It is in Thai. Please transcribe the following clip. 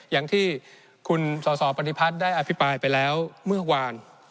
อย่างที่คุณสสปฏิพัฒน์ได้อภิปรายไปแล้วเมื่อวาน